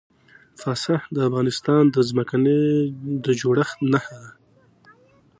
پسه د افغانستان د ځمکې د جوړښت نښه ده.